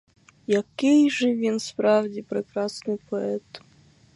Який же він справді прекрасний поет!